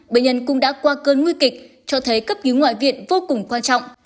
bệnh nhân cũng đã qua cơn nguy kịch cho thấy cấp cứu ngoại viện vô cùng quan trọng